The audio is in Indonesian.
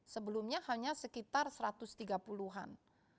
sebelumnya hanya sekitar satu ratus tiga puluh an